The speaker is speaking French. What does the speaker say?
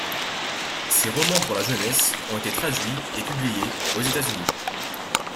Ses romans pour la jeunesse ont été traduits et publiés aux États-Unis.